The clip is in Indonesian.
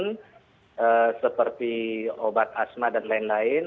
dan seperti obat asma dan lain lain